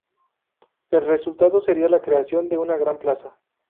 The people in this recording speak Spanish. El resultado sería la creación de una gran plaza.